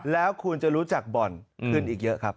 แล้วคุณจะรู้จักบ่อนขึ้นอีกเยอะครับ